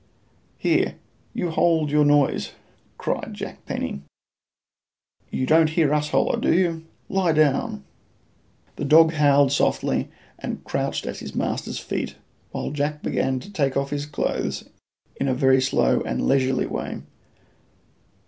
"Here, you hold your noise," cried Jack Penny. "You don't hear us holler, do you? Lie down!" The dog howled softly and crouched at his master's feet, while Jack began to take off his clothes in a very slow and leisurely way.